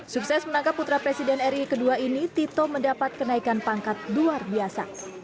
sukses menangkap putra presiden ri kedua ini tito mendapat kenaikan pangkat luar biasa